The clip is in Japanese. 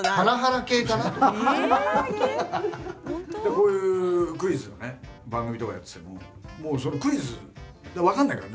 こういうクイズの番組とかやっててもクイズ分かんないから